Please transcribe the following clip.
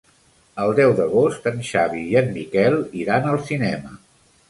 El deu d'agost en Xavi i en Miquel iran al cinema.